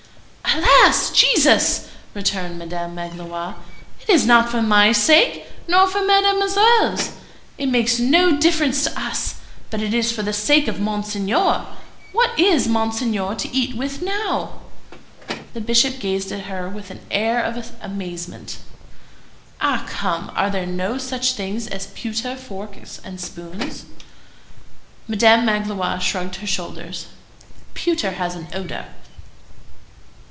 "Alas! Jesus!" returned Madame Magloire. "It is not for my sake, nor for Mademoiselle's. It makes no difference to us. But it is for the sake of Monseigneur. What is Monseigneur to eat with now?" The Bishop gazed at her with an air of amazement. "Ah, come! Are there no such things as pewter forks and spoons?" Madame Magloire shrugged her shoulders. "Pewter has an odor."